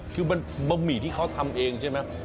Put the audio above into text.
คือมันบะหมี่ที่เขาทำเองใช่ไหม